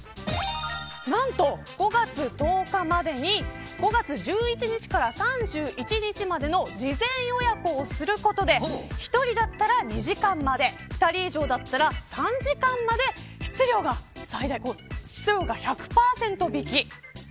何と５月１０日までに５月１１日から３１日までの事前予約をすることで１人だったら２時間まで２人以上なら３時間まで室料が最大１００％引き。